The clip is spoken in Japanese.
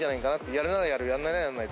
やるならやる、やらないならやらない。